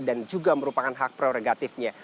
dan juga merupakan hak proregatifnya